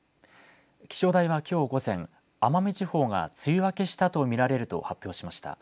気象台はきょう午前奄美地方が梅雨明けしたと見られると発表しました。